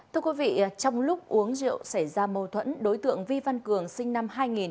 trong lúc uống rượu xảy ra mâu thuẫn đối tượng vi văn cường sinh năm hai nghìn